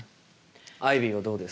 アイビーはどうですか？